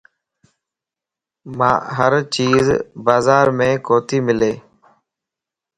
ھر چيز بازار مَ ڪوتي ملَ